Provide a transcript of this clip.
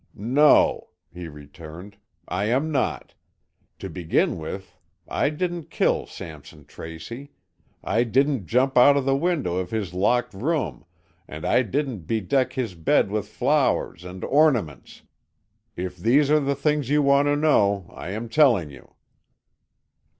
"No," he returned, "I am not. To begin with I didn't kill Sampson Tracy, I didn't jump out of the window of his locked room, and I didn't bedeck his bed with flowers and ornaments. If these are the things you want to know, I am telling you."